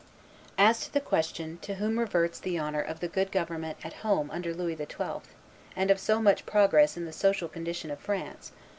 As to the question, to whom reverts the honor of the good government at home under Louis XII., and of so much progress in the social condition of France, M.